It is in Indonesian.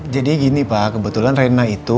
jadi gini pak kebetulan rena itu